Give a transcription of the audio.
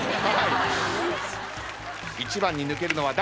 １番に抜けるのは誰か？